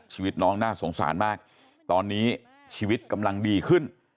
ชีวิตน้องน่าสงสารมากตอนนี้ชีวิตกำลังดีขึ้น